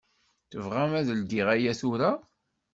Tebɣam ad ldiɣ aya tura?